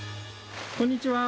こんにちは。